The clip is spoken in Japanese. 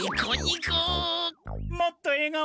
もっとえがおで！